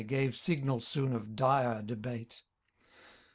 Gave signal soon of dire debate.